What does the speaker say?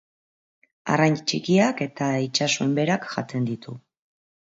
Arrain txikiak eta itsas soinberak jaten ditu.